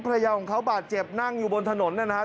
ภรรยาของเขาบาดเจ็บนั่งอยู่บนถนนนะครับ